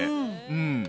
うん。